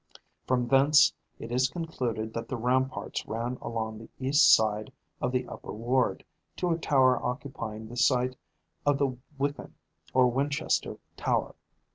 From thence it is concluded that the ramparts ran along the east side of the upper ward to a tower occupying the site of the Wykeham or Winchester Tower.